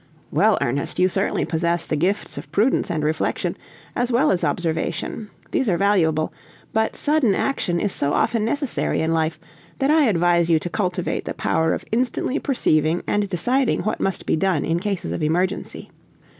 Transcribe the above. "Well, Ernest, you certainly possess the gifts of prudence and reflection, as well as observation. These are valuable; but sudden action is so often necessary in life, that I advise you to cultivate the power of instantly perceiving and deciding what must be done in cases of emergency.